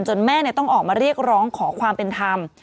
แม่ต้องออกมาเรียกร้องขอความเป็นธรรม